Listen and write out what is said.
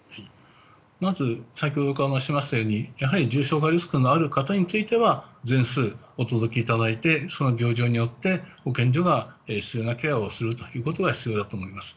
先ほど申しましたように重症化リスクのある方については全数お届けいただいてその病状によって保健所が必要なケアをすることが必要だと思います。